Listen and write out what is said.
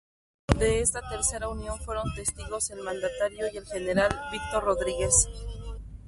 De esta tercera unión fueron testigos el mandatario y el General Víctor Rodríguez.